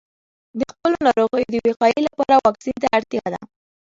د خپلو ناروغیو د وقایې لپاره واکسین ته اړتیا ده.